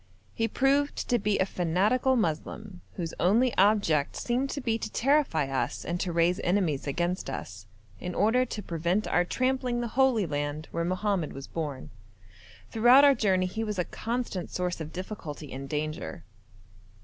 He proved to be a fanatical Moslem, whose only object seemed to be to terrify us and to raise enemies against us, in order to prevent our trampling the holy land where Mohammed was born. Throughout our journey he was a constant source of difficulty and danger.